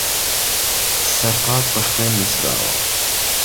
سەر پاک به خوێن نوسراوه